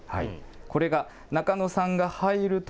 これがナカノさんが入ると。